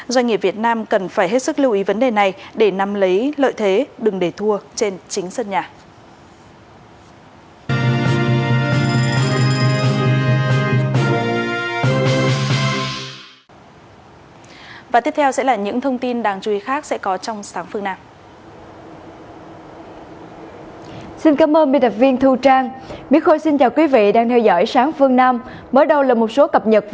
doanh nghiệp việt nam cần phải hết sức lưu ý vấn đề này để nắm lấy lợi thế đừng để thua trên chính sân nhà